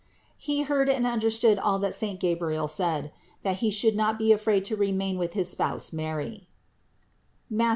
He heard and understood all THE INCARNATION 327 that saint Gabriel said: that he should not be afraid to remain with his Spouse Mary (Matth.